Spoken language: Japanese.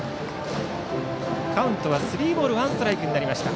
カウントはスリーボールワンストライクになりました。